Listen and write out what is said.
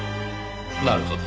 なるほど。